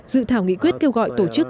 dự thảo nghị quyết kêu gọi tổ chức